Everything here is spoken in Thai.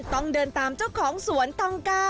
ต้องเดินตามเจ้าของสวนต่องก้าวแห่งนี้